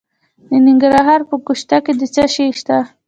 د ننګرهار په ګوشته کې څه شی شته؟